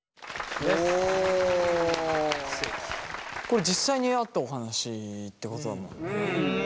これ実際にあったお話ってことだもんね。